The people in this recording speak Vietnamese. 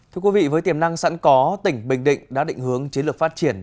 thưa quý vị với tiềm năng sẵn có tỉnh bình định đã định hướng chiến lược phát triển